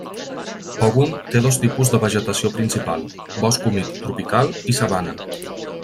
Ogun té dos tipus de vegetació principal: bosc humit tropical i sabana.